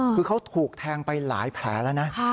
คือเขาถูกแทงไปหลายแผลแล้วนะ